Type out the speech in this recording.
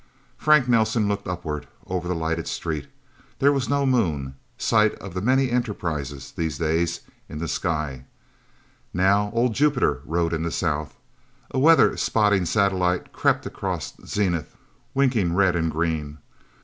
Frank Nelsen looked upward, over the lighted street. There was no Moon site of many enterprises, these days in the sky, now. Old Jupiter rode in the south. A weather spotting satellite crept across zenith, winking red and green.